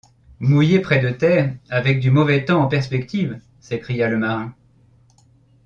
Mouiller près de terre, avec du mauvais temps en perspective! s’écria le marin.